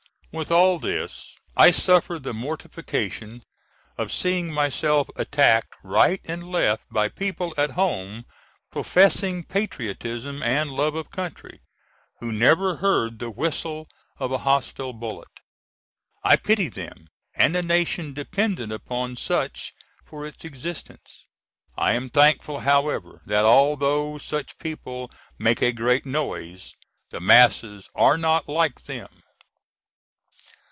With all this I suffer the mortification of seeing myself attacked right and left by people at home professing patriotism and love of country, who never heard the whistle of a hostile bullet. I pity them and a nation dependent upon such for its existence. I am thankful however that, although such people make a great noise, the masses are not like them.